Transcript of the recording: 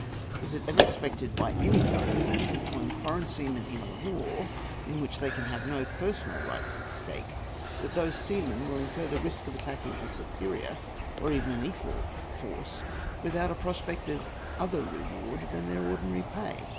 Was it ever expected by any government employing foreign seamen in a war in which they can have no personal rights at stake, that those seamen will incur the risk of attacking a superior, or even an equal, force, without prospect of other reward than their ordinary pay?